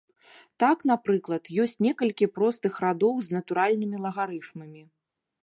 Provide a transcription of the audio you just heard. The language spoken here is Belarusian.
Так, напрыклад, ёсць некалькі простых радоў з натуральнымі лагарыфмамі.